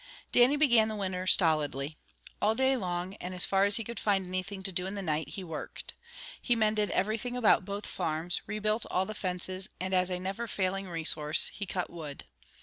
Dannie began the winter stolidly. All day long and as far as he could find anything to do in the night, he worked. He mended everything about both farms, rebuilt all the fences and as a never failing resource, he cut wood.